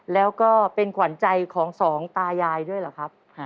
แล้วก็เป็นขวัญใจของสองตายายด้วยเหรอครับ